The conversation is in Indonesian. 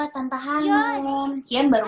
tante hanum kion baru